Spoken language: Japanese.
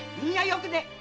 よくね！